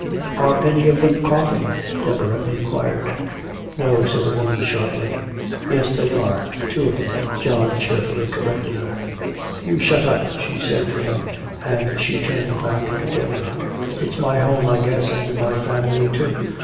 "Are any of them coughing?" Deborah inquired. "No," said the woman sharply. "Yes, they are, two of 'em," John cheerfully corrected her. "You shut up!" she said to him, and she turned back to Deborah. "It's my home, I guess, and my family, too.